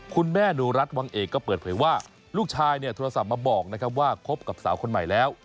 คุณแม่หนูรัฐวังเอกก็เปิดเผยว่าลูกชายเนี่ยโทรศัพท์มาบอกนะครับว่าคบกับสาวคนใหม่แล้ว